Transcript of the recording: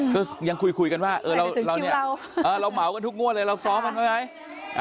ก็ยังคุยกันว่าเราเหมากันทุกงวดเลยเราซ้อมมันไหม